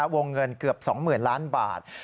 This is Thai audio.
วงเงินเกือบสองหมื่นล้านบาท